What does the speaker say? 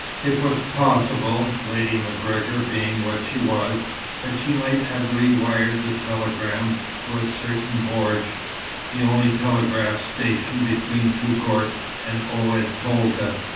It was possible, Lady MacGregor being what she was, that she might have rewired the telegram to a certain bordj, the only telegraph station between Touggourt and Oued Tolga.